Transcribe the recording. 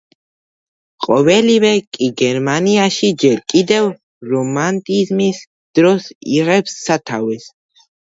ყოველივე კი გერმანიაში ჯერ კიდევ რომანტიზმის დროს იღებს სათავეს.